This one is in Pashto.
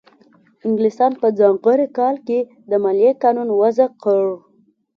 انګلستان په ځانګړي کال کې د مالیې قانون وضع کړ.